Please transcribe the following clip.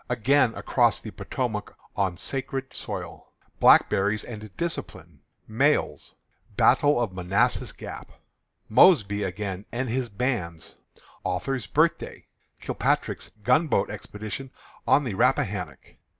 Again Across the Potomac on "Sacred Soil." Blackberries and Discipline. Mails. Battle of Manassas Gap. Mosby Again, and His Bands. Author's Birthday. Kilpatrick's Gunboat Expedition on the Rappahannock.